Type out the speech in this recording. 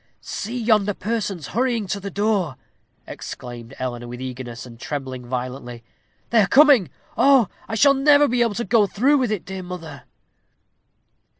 "See yonder persons hurrying to the door," exclaimed Eleanor, with eagerness, and trembling violently. "They are coming. Oh! I shall never be able to go through with it, dear mother."